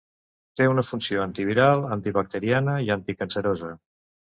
Té una funció antiviral, antibacteriana i anticancerosa.